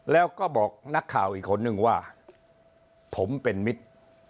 แล้วก็บอกนักข่าวอีกคนนึงว่าผมเป็นมิตร